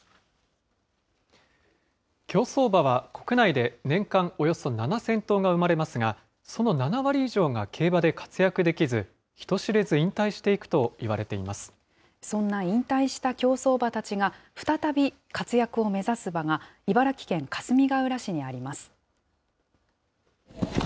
競走馬は国内で年間およそ７０００頭が産まれますが、その７割以上が競馬で活躍できず、人知れず引退していくといわれていまそんな引退した競走馬たちが、再び活躍を目指す場が、茨城県かすみがうら市にあります。